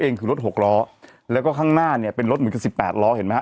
คือรถหกล้อแล้วก็ข้างหน้าเนี่ยเป็นรถเหมือนกับสิบแปดล้อเห็นไหมฮ